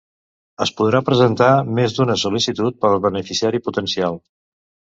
Es podrà presentar més d'una sol·licitud per beneficiari potencial.